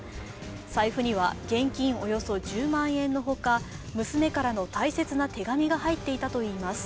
財布には現金およそ１０万円の他娘からの大切な手紙が入っていたといいます。